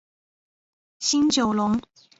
新九龙。